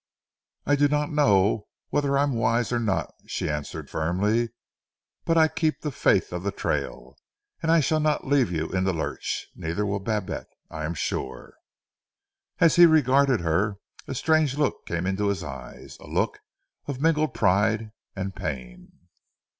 "I do not know whether I am wise or not," she answered firmly. "But I keep the faith of the trail, and I shall not leave you in the lurch. Neither will Babette, I am sure." As he regarded her, a strange look came into his eyes, a look of mingled pride and pain.